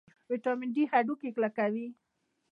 ویټامین ډي هډوکي کلکوي